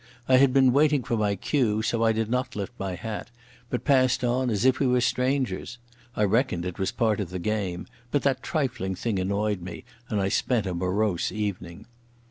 I had been waiting for my cue, so I did not lift my hat, but passed on as if we were strangers. I reckoned it was part of the game, but that trifling thing annoyed me, and I spent a morose evening.